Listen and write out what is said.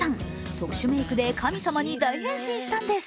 特殊メイクで神様に大変身したんです。